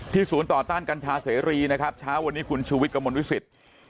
ศูนย์ต่อต้านกัญชาเสรีนะครับเช้าวันนี้คุณชูวิทย์กระมวลวิสิต